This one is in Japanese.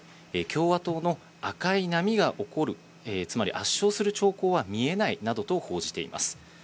共和党の赤い波が起こる、つまり圧勝する兆候は見えないなどと報じています。